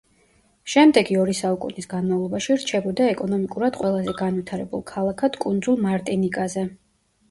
შემდეგი ორი საუკუნის განმავლობაში რჩებოდა ეკონომიკურად ყველაზე განვითარებულ ქალაქად კუნძულ მარტინიკაზე.